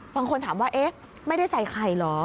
บางคนถามว่าเอ๊ะไม่ได้ใส่ไข่เหรอ